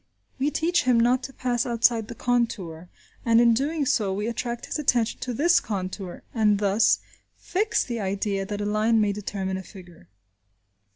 We teach him not to pass outside the contour, and in doing so we attract his attention to this contour, and thus fix the idea that a line may determine a figure.